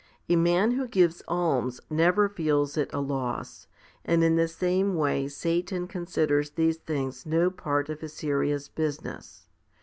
A man who gives alms never feels it a loss, and in the same way Satan considers these things no part of his serious business.